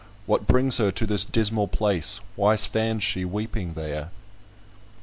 What brings her to this dismal place, Why stands she weeping there?"